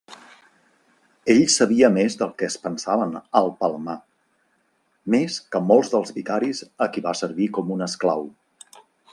Ell sabia més del que es pensaven al Palmar; més que molts dels vicaris a qui va servir com un esclau.